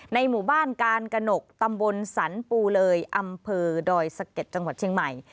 หมู่บ้านการกระหนกตำบลสรรปูเลยอำเภอดอยสะเก็ดจังหวัดเชียงใหม่